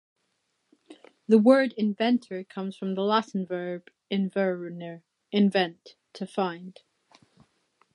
The word "inventor" comes form the latin verb "invenire", "invent-", to find.